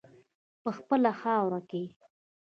په خپله خاوره کې.